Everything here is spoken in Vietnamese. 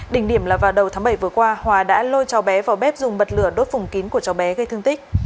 đỉnh điểm là vào đầu tháng bảy vừa qua hòa đã lôi cháu bé vào bếp dùng bật lửa đốt vùng kín của cháu bé gây thương tích